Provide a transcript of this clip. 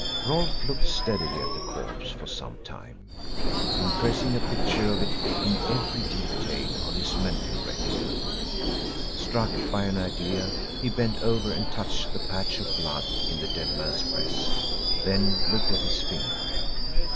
Rolfe looked steadily at the corpse for some time, impressing a picture of it in every detail on his mental retina. Struck by an idea, he bent over and touched the patch of blood in the dead man's breast, then looked at his finger.